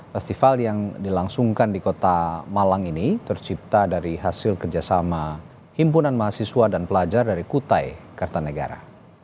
festival yang dilangsungkan di kota malang ini tercipta dari hasil kerjasama himpunan mahasiswa dan pelajar dari kutai kartanegara